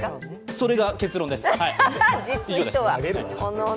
それが結論です。